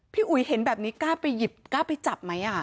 อุ๋ยเห็นแบบนี้กล้าไปหยิบกล้าไปจับไหม